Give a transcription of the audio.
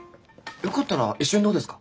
よかったら一緒にどうですか？